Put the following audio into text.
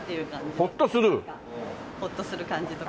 ホッとする感じとか。